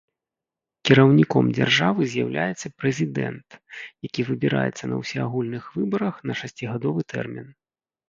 Кіраўніком дзяржавы з'яўляецца прэзідэнт, які выбіраецца на ўсеагульных выбарах на шасцігадовы тэрмін.